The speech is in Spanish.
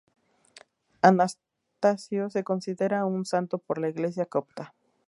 Anastasio se considera un santo por la Iglesia copta.